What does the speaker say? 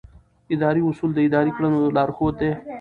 اداري اصول د ادارې د کړنو لارښود دي.